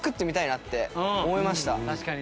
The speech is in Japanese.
確かにね。